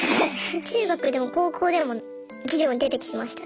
中学でも高校でも授業に出てきました。